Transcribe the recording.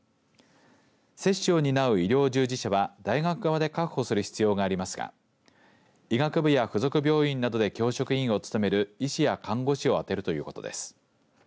接種を担う医療従事者は大学側で確保する必要がありますが医学部や附属病院などで教職員を務める医師や看護師をあてるということです。